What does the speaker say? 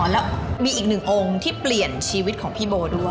แล้วมีอีกหนึ่งองค์ที่เปลี่ยนชีวิตของพี่โบด้วย